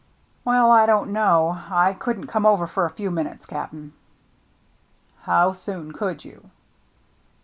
"Well, I don't know. I couldn't come over for a few minutes, Cap'n," " How soon could you